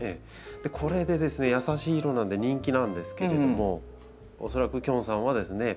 これで優しい色なんで人気なんですけれども恐らくきょんさんはですね